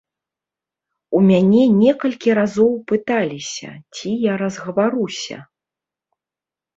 У мяне некалькі разоў пыталіся, ці я разгаваруся.